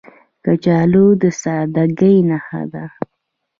کچالو د سادګۍ نښه ده